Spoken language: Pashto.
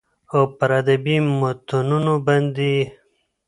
او پر ادبي متونو باندې يې